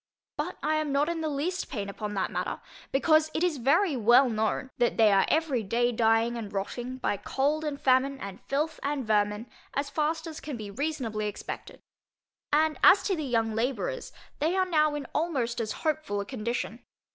But I am not in the least pain upon that matter, because it is very well known, that they are every day dying, and rotting, by cold and famine, and filth, and vermin, as fast as can be reasonably expected. And as to the young labourers, they are now in almost as hopeful a condition.